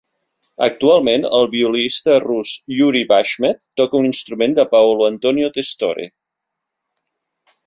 Actualment, el violista rus Yuri Bashmet toca un instrument de Paolo Antonio Testore.